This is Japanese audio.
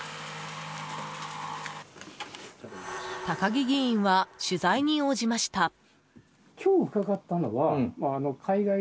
高木議員は取材に応じました。